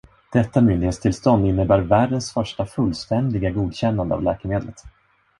Detta myndighetstillstånd innebär världens första fullständiga godkännande av läkemedlet.